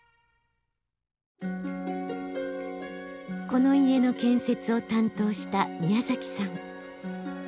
この家の建設を担当した宮崎さん。